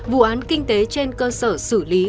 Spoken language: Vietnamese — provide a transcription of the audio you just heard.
vụ án kinh tế trên cơ sở xử lý